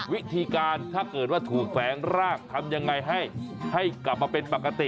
วิธีการถ้าเกิดว่าถูกแฝงร่างทำยังไงให้กลับมาเป็นปกติ